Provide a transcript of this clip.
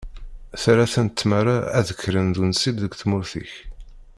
Terra-ten tmara ad k-rren d unsib deg tmurt-ik.